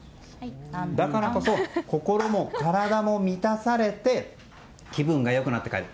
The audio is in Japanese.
だからこそ、心も体も満たされて気分が良くなって帰る。